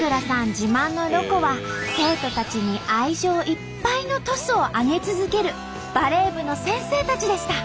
自慢のロコは生徒たちに愛情いっぱいのトスをあげ続けるバレー部の先生たちでした！